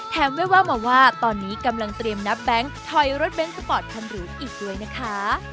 แววมาว่าตอนนี้กำลังเตรียมนับแบงค์ถอยรถเน้นสปอร์ตคันหรูอีกด้วยนะคะ